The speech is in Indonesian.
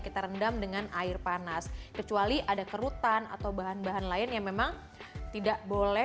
kita rendam dengan air panas kecuali ada kerutan atau bahan bahan lain yang memang tidak boleh